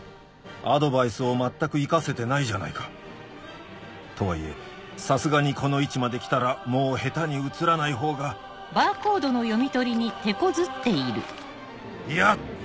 アドバイスを全く生かせてないじゃないかとはいえさすがにこの位置まで来たらもう下手に移らない方がいや！